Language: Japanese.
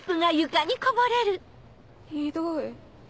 ひどい。